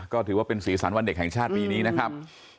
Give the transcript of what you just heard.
ก็ถือว่าเป็นสีสันวันเด็กแห่งชาติปีนี้นะครับ